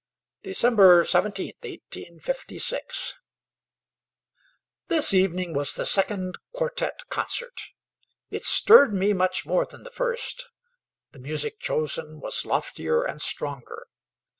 December 17th, 1856. This evening was the second quartet concert. It stirred me much more than the first; the music chosen was loftier and stronger.